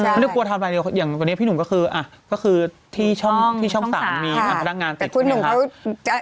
ไม่ได้กลัวทำลายอย่างพี่หนุ่มก็คือที่ช่อง๓มีพนักงานติดอย่างนี้ค่ะ